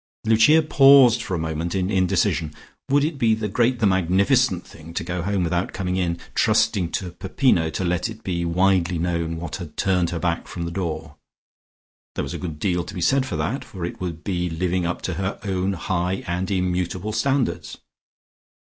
Lucia paused for a moment in indecision. Would it be the great, the magnificent thing to go home without coming in, trusting to Peppino to let it be widely known what had turned her back from the door? There was a good deal to be said for that, for it would be living up to her own high and immutable standards.